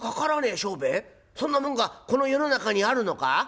そんなもんがこの世の中にあるのか？」。